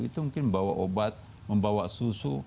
itu mungkin bawa obat membawa susu